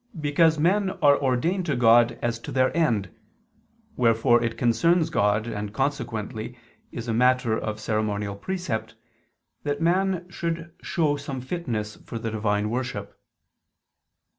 Because men are ordained to God as to their end; wherefore it concerns God and, consequently, is a matter of ceremonial precept, that man should show some fitness for the divine worship.